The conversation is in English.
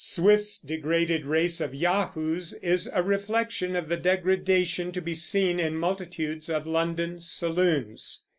Swift's degraded race of Yahoos is a reflection of the degradation to be seen in multitudes of London saloons.